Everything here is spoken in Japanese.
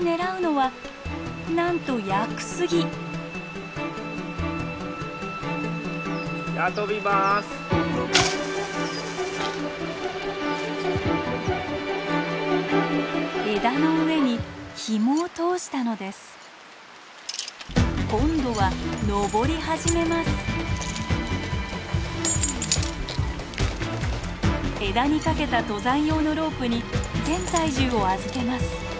枝にかけた登山用のロープに全体重を預けます。